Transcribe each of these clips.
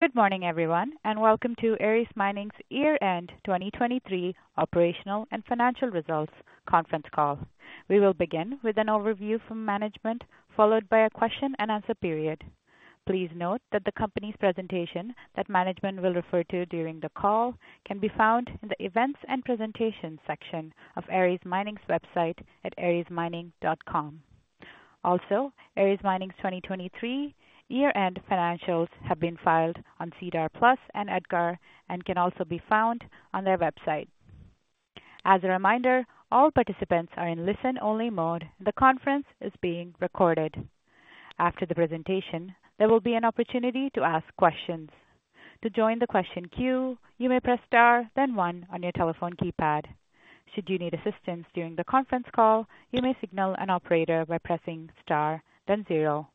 Good morning, everyone, and welcome to Aris Mining's year end 2023 operational and financial results conference call. We will begin with an overview from management, followed by a question-and-answer period. Please note that the company's presentation that management will refer to during the call can be found in the events and presentations section of Aris Mining's website at arismining.com. Also, Aris Mining's 2023 year-end financials have been filed on SEDAR+ and EDGAR and can also be found on their website. As a reminder, all participants are in listen-only mode, and the conference is being recorded. After the presentation, there will be an opportunity to ask questions. To join the question queue, you may press star, then one your telephone keypad. Should you need assistance during the conference call, you may signal an operator by pressing star, then zero.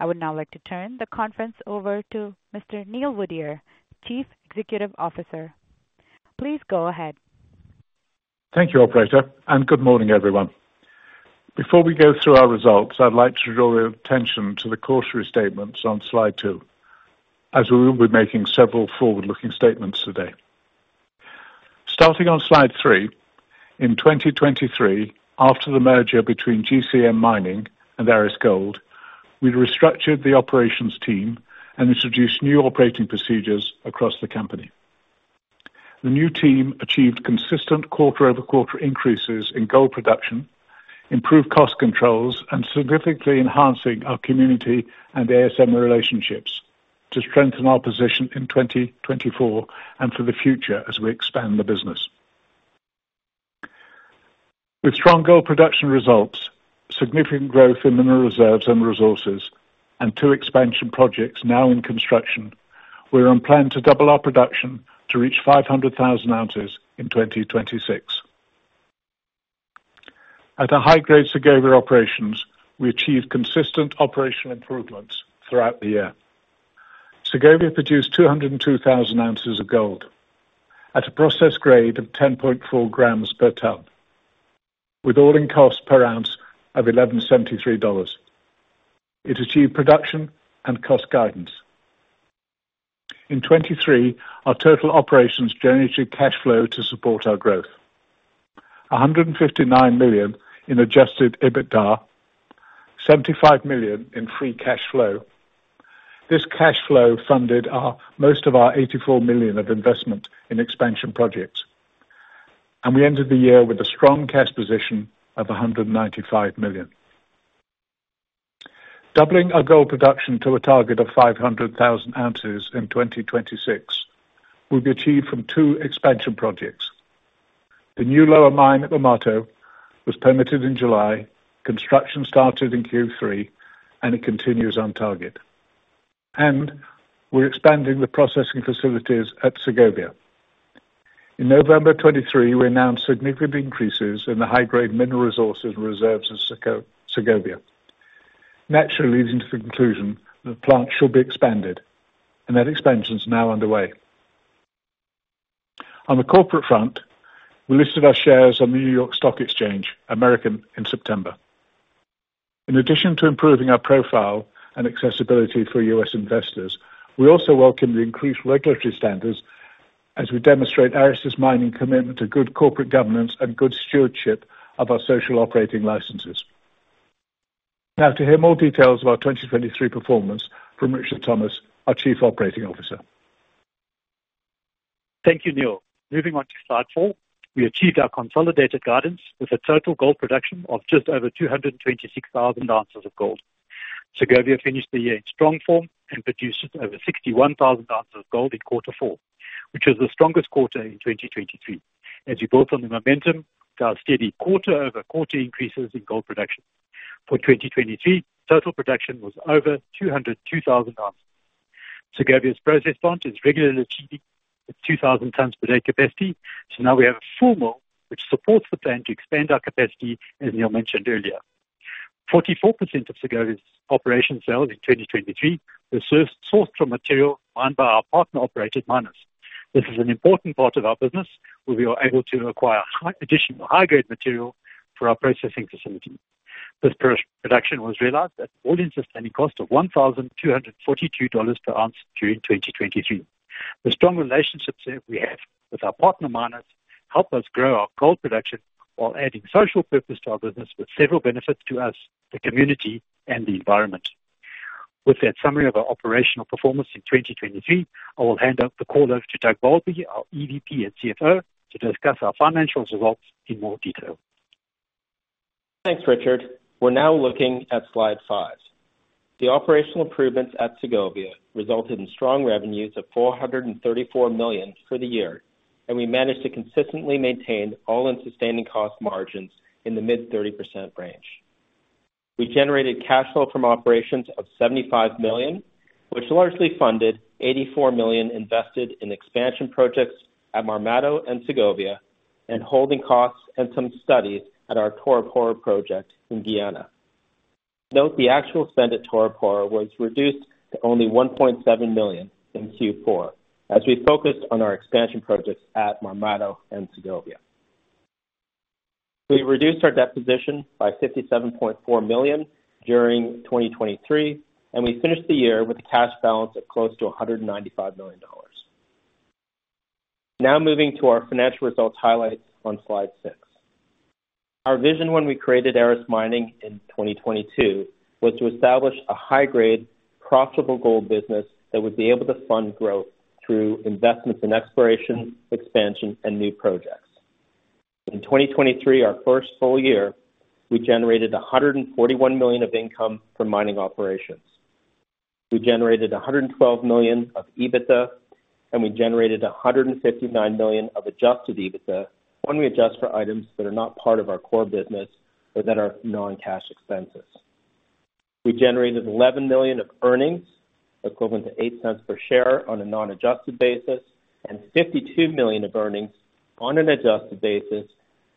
I would now like to turn the conference over to Mr. Neil Woodyer, Chief Executive Officer. Please go ahead. Thank you, Operator, and good morning, everyone. Before we go through our results, I'd like to draw your attention to the cautionary statements on slide two, as we will be making several forward-looking statements today. Starting on slide three, in 2023, after the merger between GCM Mining and Aris Gold, we restructured the operations team and introduced new operating procedures across the company. The new team achieved consistent quarter-over-quarter increases in gold production, improved cost controls, and significantly enhanced our community and ASM relationships to strengthen our position in 2024 and for the future as we expand the business. With strong gold production results, significant growth in mineral reserves and resources, and two expansion projects now in construction, we are on plan to double our production to reach 500,000 ounces in 2026. At a high-grade Segovia Operations, we achieved consistent operational improvements throughout the year. Segovia produced 202,000 ounces of gold at a process grade of 10.4 grams per tonne, with all-in cost per ounce of $1,173. It achieved production and cost guidance. In 2023, our total operations generated cash flow to support our growth: $159 million in Adjusted EBITDA, $75 million in free cash flow. This cash flow funded most of our $84 million of investment in expansion projects, and we ended the year with a strong cash position of $195 million. Doubling our gold production to a target of 500,000 ounces in 2026 will be achieved from two expansion projects. The new Lower Mine at Marmato was permitted in July, construction started in Q3, and it continues on target. We're expanding the processing facilities at Segovia. In November 2023, we announced significant increases in the high-grade mineral resources and reserves at Segovia, naturally leading to the conclusion that the plant should be expanded, and that expansion is now underway. On the corporate front, we listed our shares on the NYSE American in September. In addition to improving our profile and accessibility for US investors, we also welcome the increased regulatory standards as we demonstrate Aris's Mining commitment to good corporate governance and good stewardship of our social operating licenses. Now, to hear more details of our 2023 performance from Richard Thomas, our Chief Operating Officer. Thank you, Neil. Moving on to slide four, we achieved our consolidated guidance with a total gold production of just over 226,000 ounces of gold. Segovia finished the year in strong form and produced over 61,000 ounces of gold in quarter 4, which was the strongest quarter in 2023, as we built on the momentum to our steady quarter-over-quarter increases in gold production. For 2023, total production was over 202,000 ounces. Segovia's process plant is regularly achieving its 2,000 tons per day capacity, so now we have a full mill which supports the plan to expand our capacity, as Neil mentioned earlier. 44% of Segovia's operation sales in 2023 were sourced from material mined by our partner-operated miners. This is an important part of our business, where we were able to acquire additional high-grade material for our processing facility. This production was realized at an all-in sustaining cost of $1,242 per ounce during 2023. The strong relationships we have with our partner miners help us grow our gold production while adding social purpose to our business with several benefits to us, the community, and the environment. With that summary of our operational performance in 2023, I will hand the call over to Doug Bowlby, our EVP and CFO, to discuss our financial results in more detail. Thanks, Richard. We're now looking at slide five. The operational improvements at Segovia resulted in strong revenues of $434 million for the year, and we managed to consistently maintain all-in sustaining cost margins in the mid-30% range. We generated cash flow from operations of $75 million, which largely funded $84 million invested in expansion projects at Marmato and Segovia, and holding costs and some studies at our Toroparu project in Guyana. Note, the actual spend at Toroparu was reduced to only $1.7 million in Q4 as we focused on our expansion projects at Marmato and Segovia. We reduced our debt position by $57.4 million during 2023, and we finished the year with a cash balance of close to $195 million. Now moving to our financial results highlights on slide six. Our vision when we created Aris Mining in 2022 was to establish a high-grade, profitable gold business that would be able to fund growth through investments in exploration, expansion, and new projects. In 2023, our first full year, we generated $141 million of income from mining operations. We generated $112 million of EBITDA, and we generated $159 million of adjusted EBITDA when we adjust for items that are not part of our core business or that are non-cash expenses. We generated $11 million of earnings, equivalent to $0.80 per share on a non-adjusted basis, and $52 million of earnings on an adjusted basis,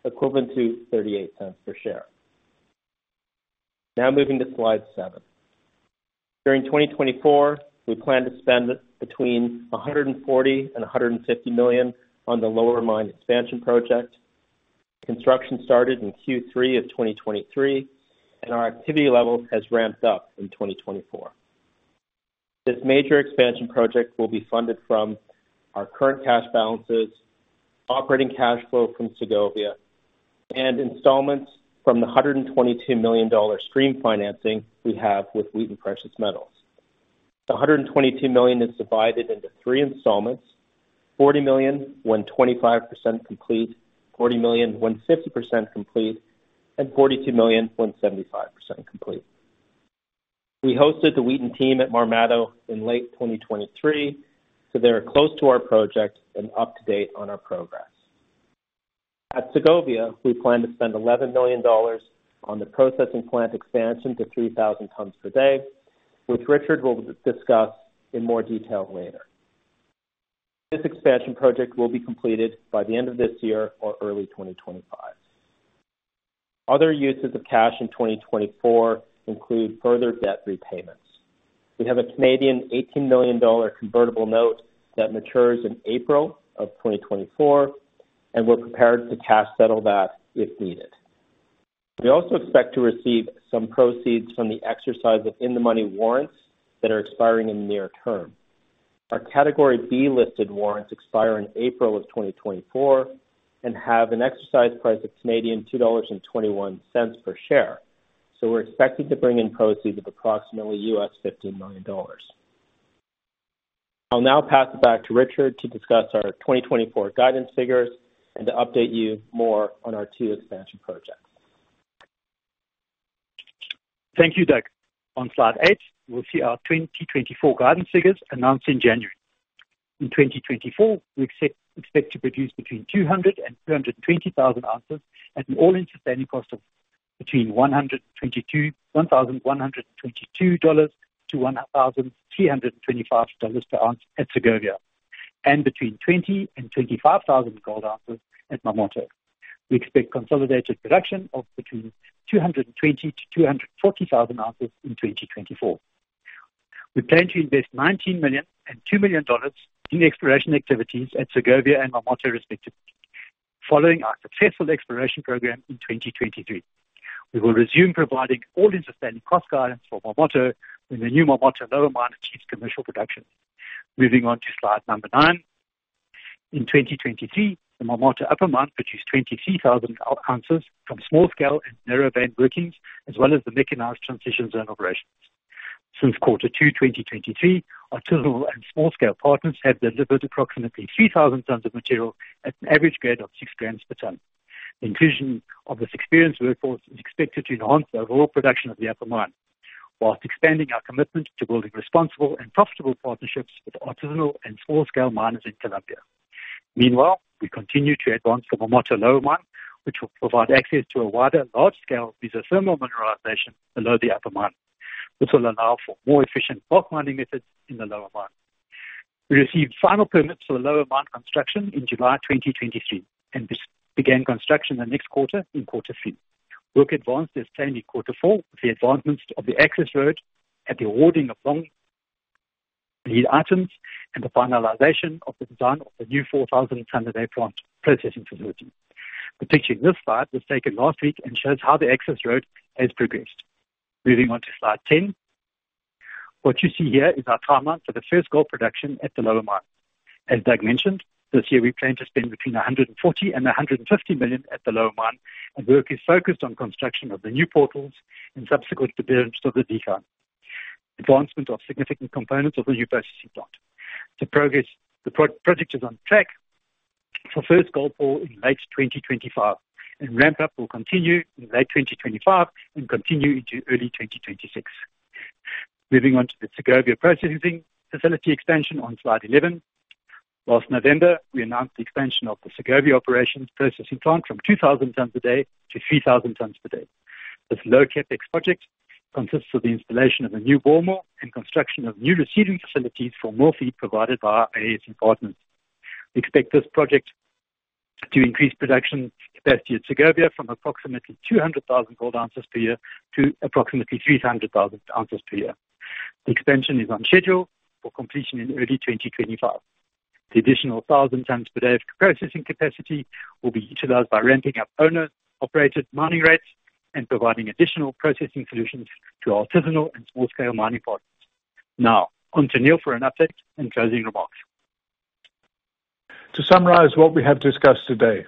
equivalent to $0.28 per share. Now moving to slide seven. During 2024, we plan to spend $140 million-$150 million on the lower mine expansion project. Construction started in Q3 of 2023, and our activity level has ramped up in 2024. This major expansion project will be funded from our current cash balances, operating cash flow from Segovia, and installments from the $122 million stream financing we have with Wheaton Precious Metals. The $122 million is divided into three installments: $40 million when 25% complete, $40 million when 50% complete, and $42 million when 75% complete. We hosted the Wheaton team at Marmato in late 2023, so they are close to our project and up to date on our progress. At Segovia, we plan to spend $11 million on the processing plant expansion to 3,000 tons per day, which Richard will discuss in more detail later. This expansion project will be completed by the end of this year or early 2025. Other uses of cash in 2024 include further debt repayments. We have a 18 million Canadian dollars convertible note that matures in April of 2024, and we're prepared to cash settle that if needed. We also expect to receive some proceeds from the exercise of in-the-money warrants that are expiring in the near term. Our Category B listed warrants expire in April of 2024 and have an exercise price of 2.21 Canadian dollars per share, so we're expecting to bring in proceeds of approximately $15 million. I'll now pass it back to Richard to discuss our 2024 guidance figures and to update you more on our two expansion projects. Thank you, Doug. On slide eight, we'll see our 2024 guidance figures announced in January. In 2024, we expect to produce between 200,000-220,000 ounces at an all-in sustaining cost of between $1,122-$1,325 per ounce at Segovia, and between 20,000-25,000 gold ounces at Marmato. We expect consolidated production of between 220,000-240,000 ounces in 2024. We plan to invest $19 million and $2 million in exploration activities at Segovia and Marmato, respectively, following our successful exploration program in 2023. We will resume providing all-in sustaining cost guidance for Marmato when the new Marmato Lower Mine achieves commercial production. Moving on to slide nine. In 2023, the Marmato Upper Mine produced 23,000 ounces from small-scale and narrow-vein workings, as well as the mechanized transition zone operations. Since quarter 2, 2023, artisanal and small-scale partners have delivered approximately 3,000 tons of material at an average grade of 6 grams per tonne. The inclusion of this experienced workforce is expected to enhance the overall production of the upper mine, while expanding our commitment to building responsible and profitable partnerships with artisanal and small-scale miners in Colombia. Meanwhile, we continue to advance the Marmato lower mine, which will provide access to a wider large-scale mesothermal mineralization below the upper mine. This will allow for more efficient block mining methods in the lower mine. We received final permits for the lower mine construction in July 2023 and began construction the next quarter, in quarter 3. Work advanced as planned in quarter 4 with the advancements of the access road, at the awarding of long lead items, and the finalization of the design of the new 4,000-ton-a-day plant processing facility. The picture in this slide was taken last week and shows how the access road has progressed. Moving on to slide 10. What you see here is our timeline for the first gold production at the lower mine. As Doug mentioned, this year we plan to spend between $140 million and $150 million at the lower mine, and work is focused on construction of the new portals and subsequent developments of the decline, advancement of significant components of the new processing plant. The project is on track for first gold pour in late 2025, and ramp-up will continue in late 2025 and continue into early 2026. Moving on to the Segovia processing facility expansion on slide 11. Last November, we announced the expansion of the Segovia operations processing plant from 2,000 tons a day to 3,000 tons per day. This low-CapEx project consists of the installation of a new ball mill and construction of new receiving facilities for more feed provided by our ASM partners. We expect this project to increase production capacity at Segovia from approximately 200,000 gold ounces per year to approximately 300,000 ounces per year. The expansion is on schedule for completion in early 2025. The additional 1,000 tons per day of processing capacity will be utilized by ramping up owner-operated mining rates and providing additional processing solutions to artisanal and small-scale mining partners. Now, on to Neil for an update and closing remarks. To summarize what we have discussed today,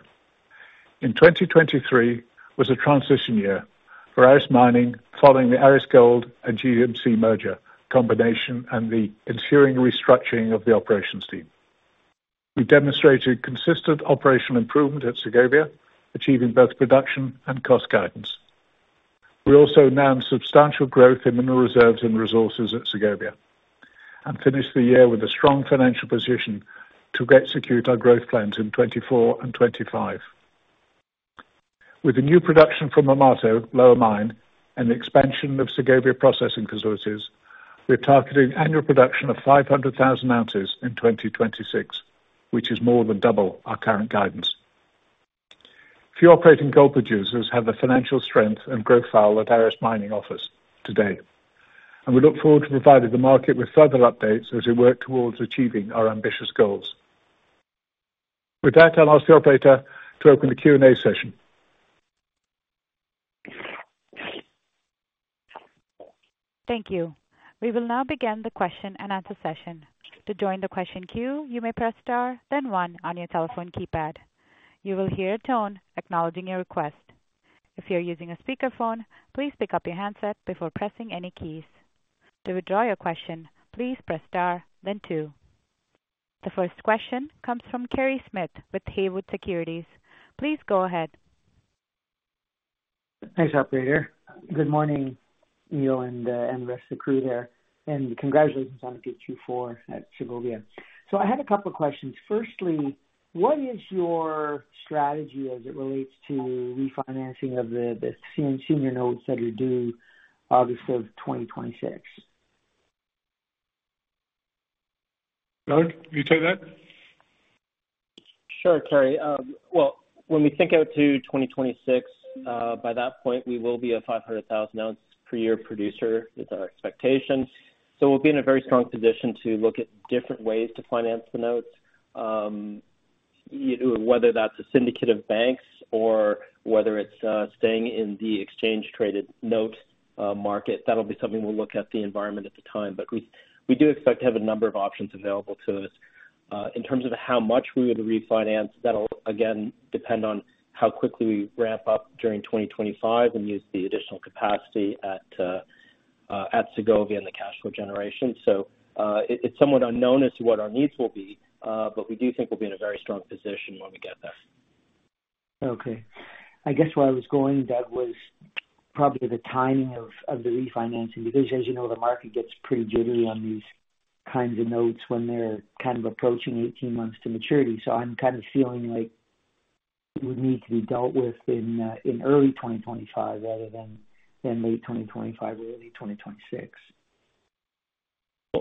in 2023 was a transition year for Aris Mining following the Aris Gold and GCM merger combination and the ensuing restructuring of the operations team. We demonstrated consistent operational improvement at Segovia, achieving both production and cost guidance. We also announced substantial growth in mineral reserves and resources at Segovia and finished the year with a strong financial position to execute our growth plans in 2024 and 2025. With the new production from Marmato Lower Mine and the expansion of Segovia processing facilities, we're targeting annual production of 500,000 ounces in 2026, which is more than double our current guidance. Few operating gold producers have the financial strength and growth profile at Aris Mining offers today, and we look forward to providing the market with further updates as we work towards achieving our ambitious goals. With that, I'll ask the operator to open the Q&A session. Thank you. We will now begin the question and answer session. To join the question queue, you may press star then one on your telephone keypad. You will hear a tone acknowledging your request. If you're using a speakerphone, please pick up your handset before pressing any keys. To withdraw your question, please press star then two. The first question comes from Kerry Smith with Haywood Securities. Please go ahead. Thanks, operator. Good morning, Neil and the rest of the crew there, and congratulations on Q2 2024 at Segovia. I had a couple of questions. Firstly, what is your strategy as it relates to refinancing of the senior notes that are due August of 2026? Doug, can you say that? Sure, Kerry. Well, when we think out to 2026, by that point, we will be a 500,000-ounce-per-year producer. That's our expectation. So we'll be in a very strong position to look at different ways to finance the notes, whether that's a syndicate of banks or whether it's staying in the exchange-traded note market. That'll be something we'll look at the environment at the time, but we do expect to have a number of options available to us. In terms of how much we would refinance, that'll, again, depend on how quickly we ramp up during 2025 and use the additional capacity at Segovia and the cash flow generation. So it's somewhat unknown as to what our needs will be, but we do think we'll be in a very strong position when we get there. Okay. I guess where I was going, Doug, was probably the timing of the refinancing because, as you know, the market gets pretty jittery on these kinds of notes when they're kind of approaching 18 months to maturity. So I'm kind of feeling like it would need to be dealt with in early 2025 rather than late 2025 or early 2026.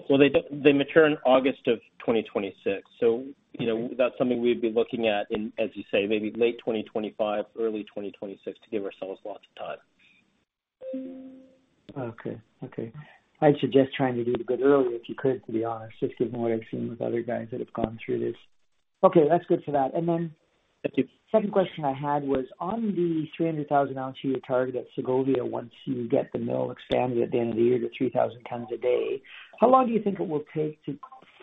Well, they mature in August of 2026, so that's something we'd be looking at, as you say, maybe late 2025, early 2026 to give ourselves lots of time. Okay. Okay. I'd suggest trying to do it a bit earlier if you could, to be honest, just given what I've seen with other guys that have gone through this. Okay, that's good for that. And then the second question I had was, on the 300,000-ounce-year target at Segovia, once you get the mill expanded at the end of the year to 3,000 tons a day, how long do you think it will take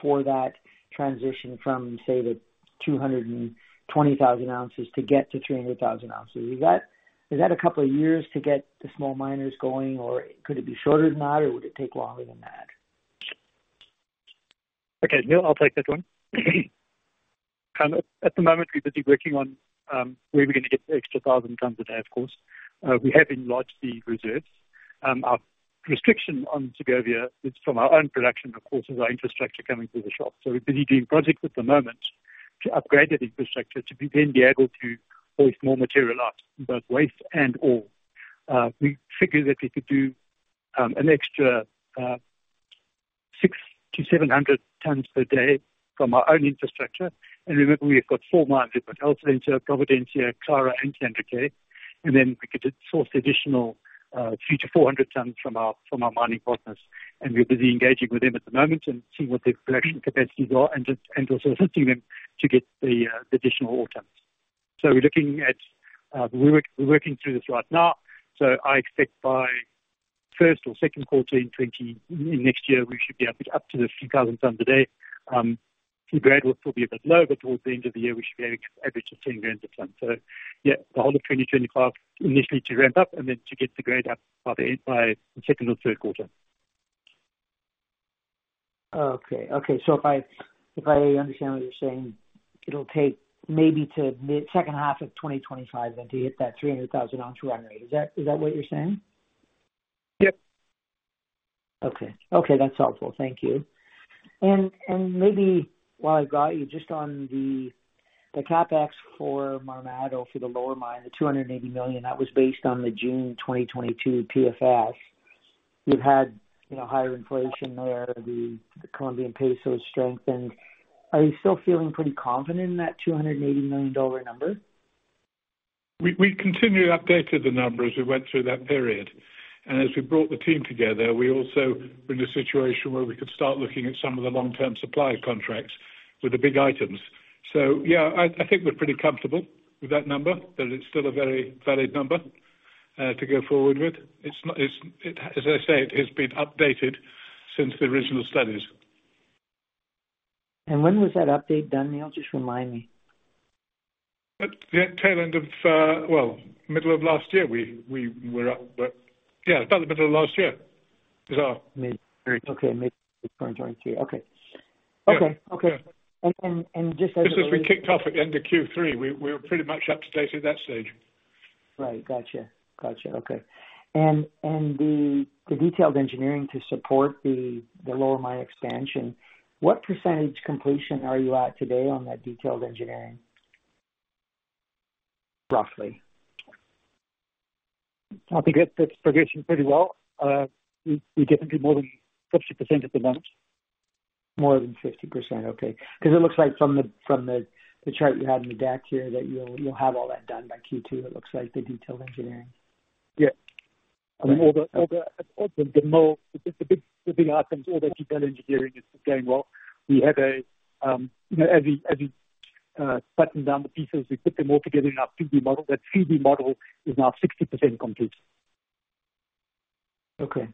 for that transition from, say, the 220,000 ounces to get to 300,000 ounces? Is that a couple of years to get the small miners going, or could it be shorter than that, or would it take longer than that? Okay, Neil, I'll take that one. At the moment, we're busy working on where we're going to get the extra 1,000 tons a day, of course. We have enlarged the reserves. Our restriction on Segovia is from our own production, of course, as our infrastructure coming through the shop. So we're busy doing projects at the moment to upgrade that infrastructure to then be able to hoist more material up, both waste and ore. We figured that we could do an extra 600-700 tons per day from our own infrastructure. And remember, we have got 4 mines: El Silencio, Providencia, Carla, and Sandra K. And then we could source additional 300-400 tons from our mining partners. And we're busy engaging with them at the moment and seeing what their production capacities are and also assisting them to get the additional ore tons. So we're working through this right now. So I expect by first or second quarter in next year, we should be able to get up to the 3,000 tons a day. The grade will still be a bit low, but towards the end of the year, we should be having an average of 10 grams a tonne. So yeah, the whole of 2025, initially to ramp up and then to get the grade up by the second or third quarter. Okay. Okay. So if I understand what you're saying, it'll take maybe to second half of 2025 then to hit that 300,000-ounce run rate. Is that what you're saying? Yep. Okay. Okay. That's helpful. Thank you. And maybe while I've got you, just on the capex for Marmato, for the lower mine, the $280 million, that was based on the June 2022 PFS. You've had higher inflation there. The Colombian peso has strengthened. Are you still feeling pretty confident in that $280 million number? We continued to update the numbers as we went through that period. As we brought the team together, we also were in a situation where we could start looking at some of the long-term supply contracts with the big items. So yeah, I think we're pretty comfortable with that number, that it's still a very valid number to go forward with. As I say, it has been updated since the original studies. When was that update done, Neil? Just remind me. Yeah, tail end of, well, middle of last year, we were up. Yeah, about the middle of last year is our. Mid-2023. Okay. Okay. Okay. And just as a. This is we kicked off at the end of Q3. We were pretty much up to date at that stage. Right. Gotcha. Gotcha. Okay. And the detailed engineering to support the lower mine expansion, what percentage completion are you at today on that detailed engineering, roughly? I think that's progressing pretty well. We get into more than 50% at the moment. More than 50%. Okay. Because it looks like from the chart you had in the DAC here that you'll have all that done by Q2, it looks like, the detailed engineering. Yeah. I mean, all the big items, all the detailed engineering is going well. We have, as we button down the pieces, we put them all together in our 3D model. That 3D model is now 60% complete. Okay.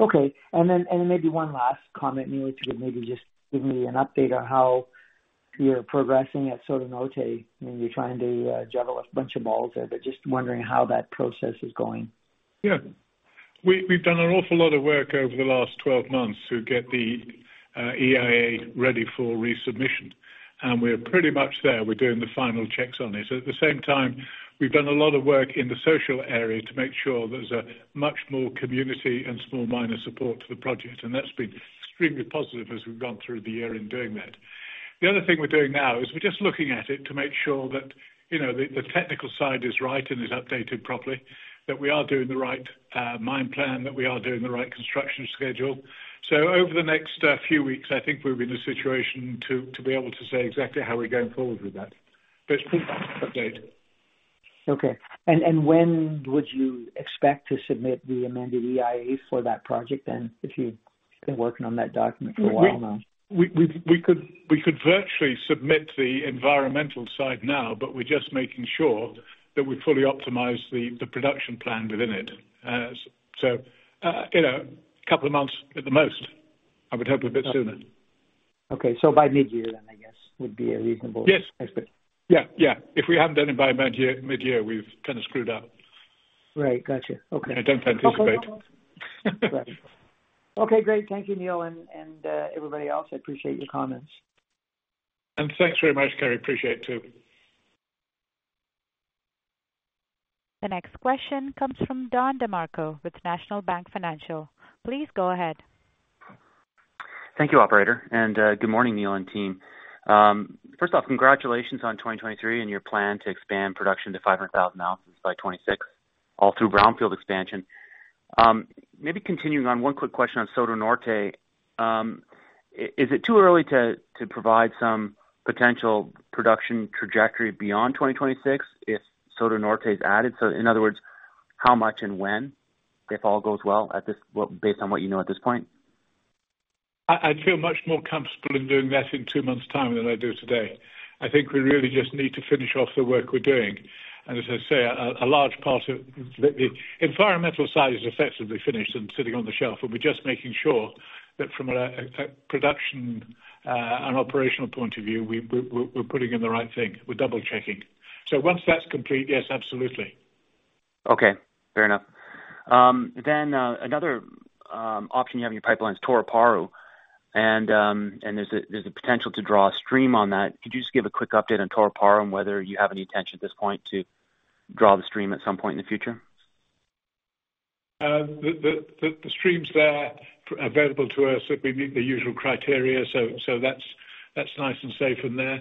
Okay. And then maybe one last comment, Neil, to maybe just give me an update on how you're progressing at Soto Norte. I mean, you're trying to juggle a bunch of balls there, but just wondering how that process is going. Yeah. We've done an awful lot of work over the last 12 months to get the EIA ready for resubmission. We're pretty much there. We're doing the final checks on it. At the same time, we've done a lot of work in the social area to make sure there's a much more community and small miner support to the project. That's been extremely positive as we've gone through the year in doing that. The other thing we're doing now is we're just looking at it to make sure that the technical side is right and is updated properly, that we are doing the right mine plan, that we are doing the right construction schedule. Over the next few weeks, I think we'll be in a situation to be able to say exactly how we're going forward with that. It's pretty much update. Okay. When would you expect to submit the amended EIA for that project then, if you've been working on that document for a while now? We could virtually submit the environmental side now, but we're just making sure that we fully optimize the production plan within it. So a couple of months at the most. I would hope a bit sooner. Okay. So by mid-year then, I guess, would be a reasonable expectation? Yes. Yeah. Yeah. If we haven't done it by mid-year, we've kind of screwed up. Right. Gotcha. Okay. I don't anticipate. Okay. Great. Thank you, Neil and everybody else. I appreciate your comments. Thanks very much, Kerry. Appreciate it too. The next question comes from Don DeMarco with National Bank Financial. Please go ahead. Thank you, operator. Good morning, Neil and team. First off, congratulations on 2023 and your plan to expand production to 500,000 ounces by 2026, all through brownfield expansion. Maybe continuing on, one quick question on Soto Norte. Is it too early to provide some potential production trajectory beyond 2026 if Soto Norte is added? In other words, how much and when, if all goes well, based on what you know at this point? I'd feel much more comfortable in doing that in two months' time than I do today. I think we really just need to finish off the work we're doing. And as I say, a large part of the environmental side is effectively finished and sitting on the shelf. And we're just making sure that from a production and operational point of view, we're putting in the right thing. We're double-checking. So once that's complete, yes, absolutely. Okay. Fair enough. Then another option you have in your pipeline is Toroparu. And there's a potential to draw a stream on that. Could you just give a quick update on Toroparu and whether you have any intention at this point to draw the stream at some point in the future? The stream's there, available to us if we meet the usual criteria. So that's nice and safe in there.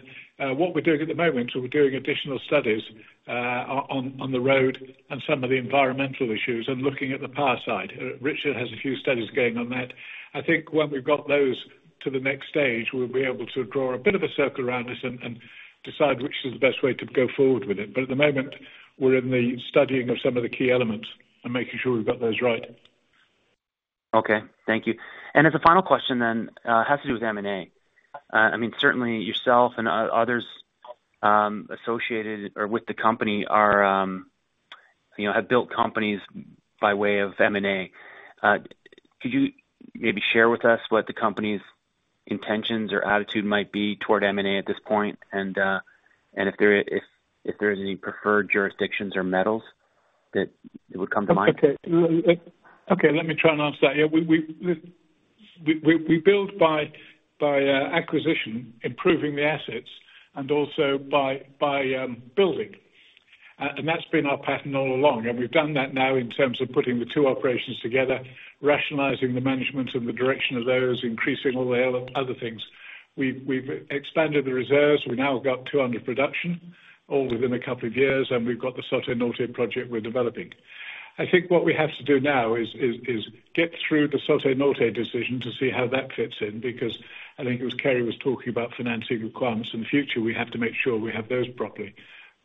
What we're doing at the moment, so we're doing additional studies on the road and some of the environmental issues and looking at the power side. Richard has a few studies going on that. I think when we've got those to the next stage, we'll be able to draw a bit of a circle around this and decide which is the best way to go forward with it. But at the moment, we're in the studying of some of the key elements and making sure we've got those right. Okay. Thank you. And as a final question then, it has to do with M&A. I mean, certainly, yourself and others associated or with the company have built companies by way of M&A. Could you maybe share with us what the company's intentions or attitude might be toward M&A at this point and if there are any preferred jurisdictions or metals that would come to mind? Okay. Okay. Let me try and answer that. Yeah, we build by acquisition, improving the assets, and also by building. That's been our pattern all along. We've done that now in terms of putting the two operations together, rationalizing the management and the direction of those, increasing all the other things. We've expanded the reserves. We now got 200 production, all within a couple of years. We've got the Soto Norte project we're developing. I think what we have to do now is get through the Soto Norte decision to see how that fits in because I think it was Kerry was talking about financing requirements in the future. We have to make sure we have those properly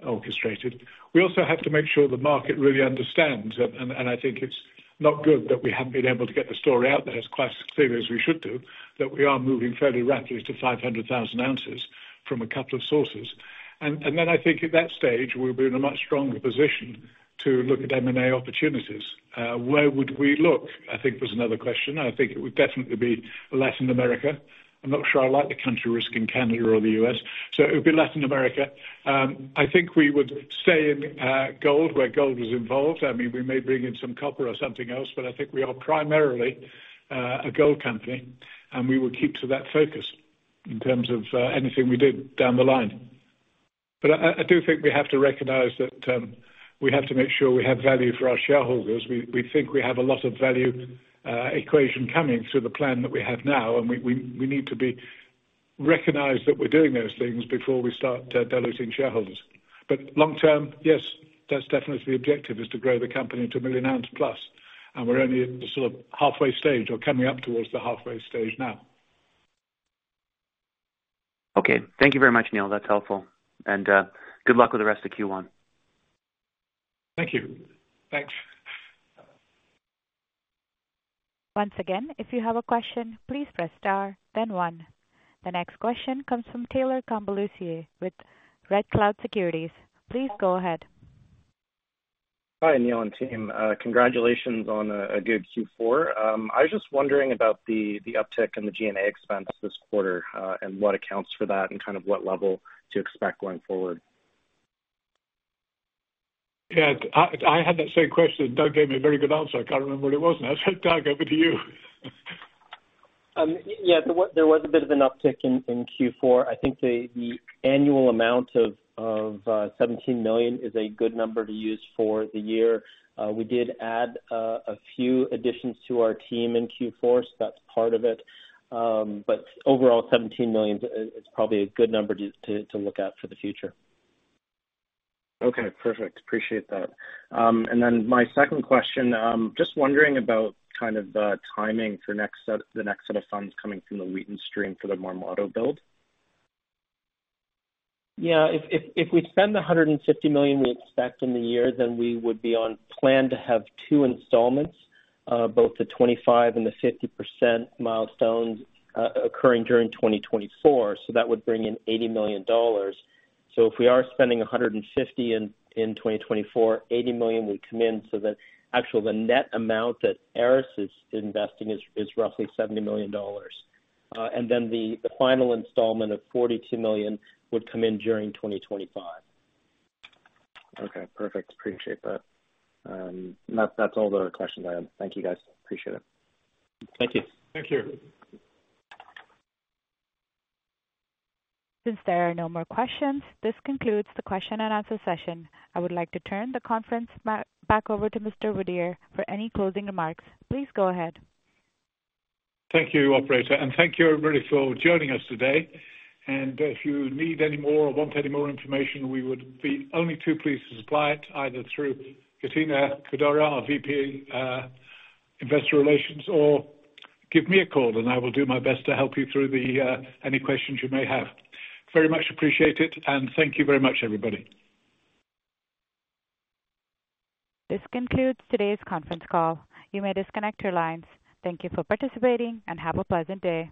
orchestrated. We also have to make sure the market really understands. I think it's not good that we haven't been able to get the story out there as quite as clearly as we should do, that we are moving fairly rapidly to 500,000 ounces from a couple of sources. Then I think at that stage, we'll be in a much stronger position to look at M&A opportunities. Where would we look? I think was another question. I think it would definitely be Latin America. I'm not sure I like the country risking Canada or the US. So it would be Latin America. I think we would stay in gold, where gold was involved. I mean, we may bring in some copper or something else, but I think we are primarily a gold company. We will keep to that focus in terms of anything we did down the line. But I do think we have to recognize that we have to make sure we have value for our shareholders. We think we have a lot of value equation coming through the plan that we have now. And we need to recognize that we're doing those things before we start diluting shareholders. But long-term, yes, that's definitely the objective, is to grow the company to 1 million ounce plus. And we're only at the sort of halfway stage or coming up towards the halfway stage now. Okay. Thank you very much, Neil. That's helpful. Good luck with the rest of Q1. Thank you. Thanks. Once again, if you have a question, please press star, then one. The next question comes from Taylor Combaluzier with Red Cloud Securities. Please go ahead. Hi, Neil and team. Congratulations on a good Q4. I was just wondering about the uptick in the G&A expense this quarter and what accounts for that and kind of what level to expect going forward. Yeah. I had that same question. Doug gave me a very good answer. I can't remember what it was now. So Doug, over to you. Yeah. There was a bit of an uptick in Q4. I think the annual amount of $17 million is a good number to use for the year. We did add a few additions to our team in Q4, so that's part of it. But overall, $17 million is probably a good number to look at for the future. Okay. Perfect. Appreciate that. And then my second question, just wondering about kind of the timing for the next set of funds coming from the Wheaton stream for the Marmato build. Yeah. If we spend the $150 million we expect in the year, then we would be on plan to have two installments, both the 25% and the 50% milestones occurring during 2024. So that would bring in $80 million. So if we are spending $150 million in 2024, $80 million would come in so that actually, the net amount that Aris is investing is roughly $70 million. And then the final installment of $42 million would come in during 2025. Okay. Perfect. Appreciate that. That's all the questions I have. Thank you, guys. Appreciate it. Thank you. Thank you. Since there are no more questions, this concludes the question-and-answer session. I would like to turn the conference back over to Mr. Woodyer. For any closing remarks, please go ahead. Thank you, operator. Thank you everybody for joining us today. If you need any more or want any more information, we would be only too pleased to supply it either through Kettina Cordero, our VP, Investor Relations, or give me a call, and I will do my best to help you through any questions you may have. Very much appreciate it. Thank you very much, everybody. This concludes today's conference call. You may disconnect your lines. Thank you for participating, and have a pleasant day.